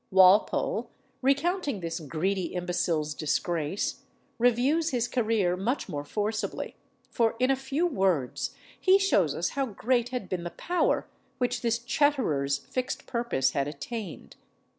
Walpole, recounting this greedy imbecile's disgrace, reviews his career much more forcibly, for in a few words he shows us how great had been the power which this chatterer's fixed purpose had attained.